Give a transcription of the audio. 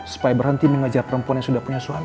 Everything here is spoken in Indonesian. supaya berhenti mengejar perempuan yang sudah punya suami